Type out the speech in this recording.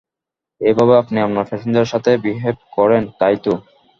এইভাবে আপনি আপনার প্যাসেঞ্জারের সাথে বিহেভ করেন, তাই তো?